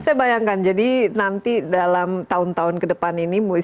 saya bayangkan jadi nanti dalam tahun tahun kedepan ini